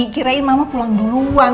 kirain mama pulang duluan